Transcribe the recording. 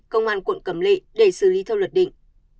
công an quận cẩm lệ để xử lý theo luật định